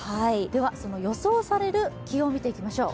その予想される気温を見ていきましょう。